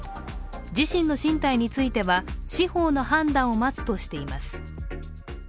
自身の進退については、司法の判断を待つとしています。